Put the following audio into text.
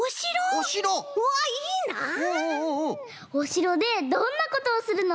おしろでどんなことをするの？